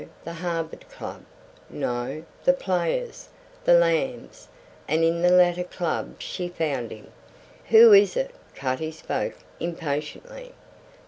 The Harvard Club. No. The Players, the Lambs; and in the latter club she found him. "Who is it?" Cutty spoke impatiently.